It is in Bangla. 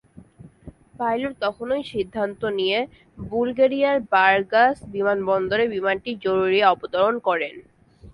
পাইলট তখনই সিদ্ধান্ত নিয়ে বুলগেরিয়ার বারগাস বিমানবন্দরে বিমানটি জরুরি অবতরণ করেন।